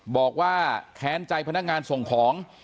บอกว่าแค้นใจพนักงานส่งของ